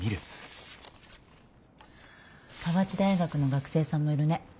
河内大学の学生さんもいるね。